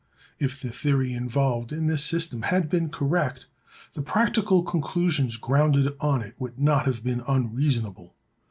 If the theory involved in this system had been correct, the practical conclusions grounded on it would not have been unreasonable.